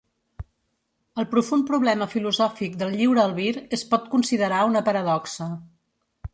El profund problema filosòfic del lliure albir es pot considerar una paradoxa.